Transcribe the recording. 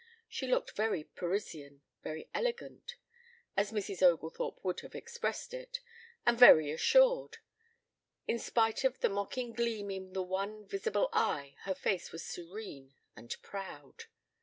She looked very Parisian, very elegant, as Mrs. Oglethorpe would have expressed it, and very assured. In spite of the mocking gleam in the one visible eye her face was serene and proud.